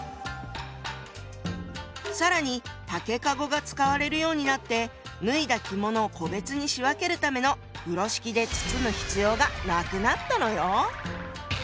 更に竹籠が使われるようになって脱いだ着物を個別に仕分けるための風呂敷で包む必要がなくなったのよ。